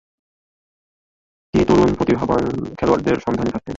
তিনি তরুণ প্রতিভাবান খেলোয়াড়দের সন্ধানে থাকতেন।